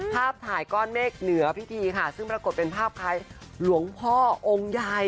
ภาพถ่ายก้อนเมฆเหนือพิธีค่ะซึ่งปรากฏเป็นภาพคล้ายหลวงพ่อองค์ใหญ่